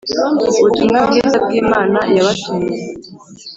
ubutumwa bwiza bwimana yabatumye